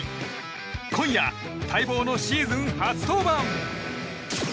今夜、待望のシーズン初登板。